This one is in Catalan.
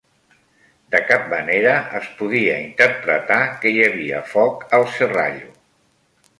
De cap manera es podia interpretar que hi havia foc al Serrallo.